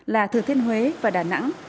là thừa thiên huế và đà nẵng